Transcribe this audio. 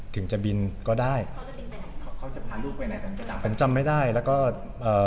ถึงจะบินก็ได้เขาเขาจะพาลูกไปไหนกันประจำผมจำไม่ได้แล้วก็เอ่อ